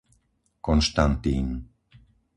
Konštantín